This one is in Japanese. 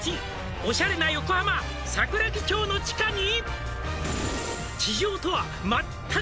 「オシャレな横浜・桜木町の地下に」